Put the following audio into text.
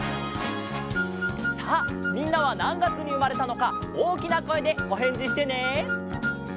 さあみんなはなんがつにうまれたのかおおきなこえでおへんじしてね。